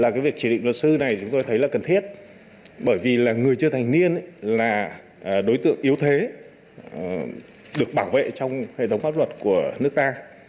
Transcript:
chúng tôi thấy là cần thiết bởi vì là người chưa thành niên là đối tượng yếu thế được bảo vệ trong hệ thống pháp luật của nước ta